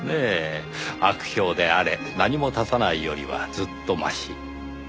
悪評であれ何も立たないよりはずっとマシ。